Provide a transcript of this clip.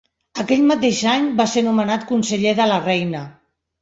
Aquell mateix any va ser nomenat conseller de la Reina.